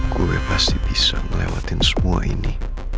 gue pasti bisa ngelewatin semua ini